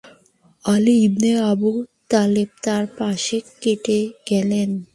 Ali ibn Abu Talib তার পাশ কেটে গেলেন।